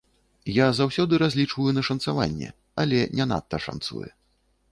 Я заўсёды разлічваю на шанцаванне, але не надта шанцуе.